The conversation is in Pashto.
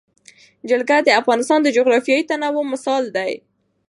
جلګه د افغانستان د جغرافیوي تنوع مثال دی.